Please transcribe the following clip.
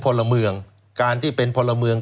พลเมืองการที่เป็นพลเมือง